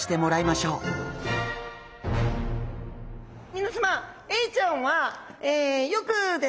みなさまエイちゃんはよくですね